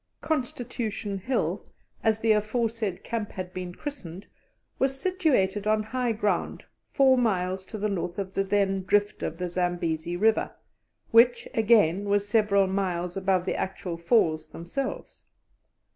"Constitution Hill," as the aforesaid camp had been christened, was situated on high ground, four miles to the north of the then drift of the Zambesi River, which, again, was several miles above the actual falls themselves.